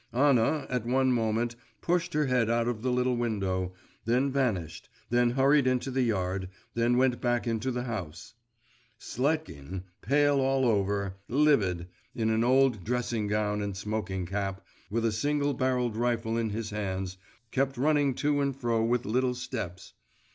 Anna, at one moment, pushed her head out of the little window, then vanished, then hurried into the yard, then went back into the house. Sletkin pale all over, livid in an old dressing gown and smoking cap, with a single barrelled rifle in his hands, kept running to and fro with little steps.